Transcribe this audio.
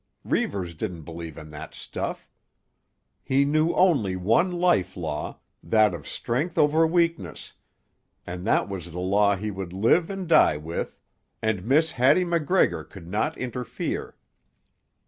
Reivers didn't believe in that stuff. He knew only one life law, that of strength over weakness, and that was the law he would live and die with, and Miss Hattie MacGregor could not interfere.